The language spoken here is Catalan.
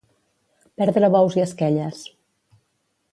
Perdre bous i esquelles.